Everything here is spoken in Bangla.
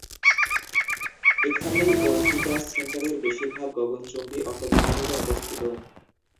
এখানেই ওর্টিগাস সেন্টারের বেশিরভাগ গগনচুম্বী অট্টালিকাগুলো অবস্থিত।